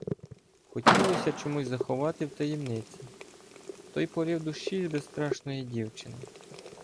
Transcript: Хотілося чомусь заховати в таємниці той порив душі безстрашної дівчини.